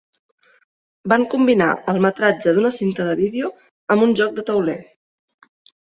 Van combinar el metratge d'una cinta de vídeo amb un joc de tauler.